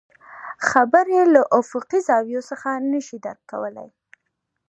خبرې له افاقي زاويو څخه نه شي درک کولی.